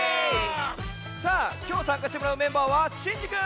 さあきょうさんかしてもらうメンバーはシンジくん！